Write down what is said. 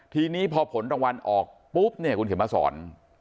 ทีนี้พอผลรางวัลออกปุ๊บเนี่ยคุณเขียนมาสอน